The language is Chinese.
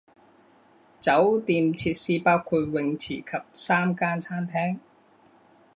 酒店设施包括泳池及三间餐厅。